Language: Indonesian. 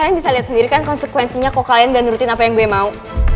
kalian bisa lihat sendiri kan konsekuensinya kok kalian gak nurutin apa yang gue mau